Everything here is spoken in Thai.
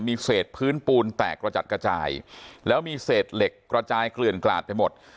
มีเศษพื้นปูนแตกกระจัดกระจายแล้วมีเศษเหล็กกระจายเกลื่อนกลาดไปหมด